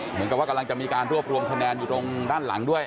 เหมือนกับว่ากำลังจะมีการรวบรวมคะแนนอยู่ตรงด้านหลังด้วย